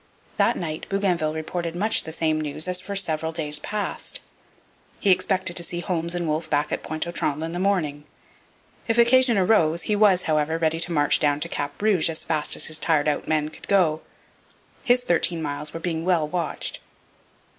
That night Bougainville reported much the same news as for several days past. He expected to see Holmes and Wolfe back at Pointe aux Trembles in the morning. If occasion arose, he was, however, ready to march down to Cap Rouge as fast as his tired out men could go. His thirteen miles were being well watched.